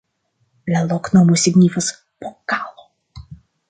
La loknomo signifas: pokalo.